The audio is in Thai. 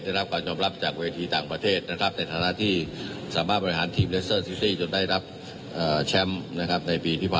ได้รับการยอมรับจากเวทีต่างประเทศนะครับ